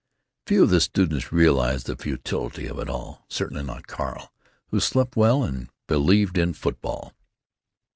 Few of the students realized the futility of it all; certainly not Carl, who slept well and believed in football.